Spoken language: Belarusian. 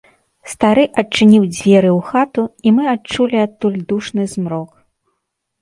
Стары адчыніў дзверы ў хату, і мы адчулі адтуль душны змрок.